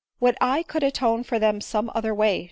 " Would I could atone for them some other way